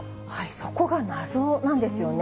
そこが謎なんですよね。